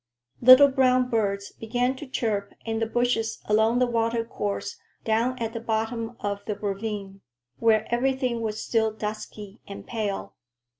Little brown birds began to chirp in the bushes along the watercourse down at the bottom of the ravine, where everything was still dusky and pale.